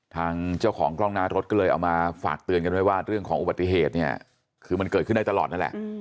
ทางเจ้าของกล้องหน้ารถก็เลยเอามาฝากเตือนกันไว้ว่าเรื่องของอุบัติเหตุเนี่ยคือมันเกิดขึ้นได้ตลอดนั่นแหละ